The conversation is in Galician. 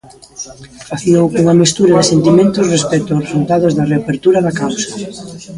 Facíao cunha mestura de sentimentos respecto aos resultados da reapertura da causa.